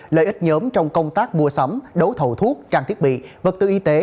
lợi ích nhóm trong công tác mua sắm đấu thầu thuốc trang thiết bị vật tư y tế